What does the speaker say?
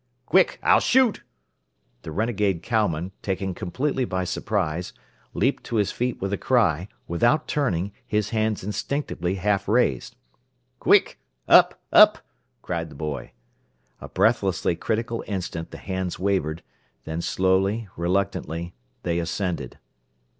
"Quick! I'll shoot!" The renegade cowman, taken completely by surprise, leaped to his feet with a cry, without turning, his hands instinctively half raised. "Quick! Up! Up!" cried the boy. A breathlessly critical instant the hands wavered, then slowly, reluctantly, they ascended.